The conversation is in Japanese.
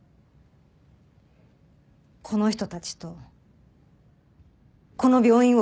この人たちとこの病院を訴えます！